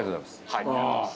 はい。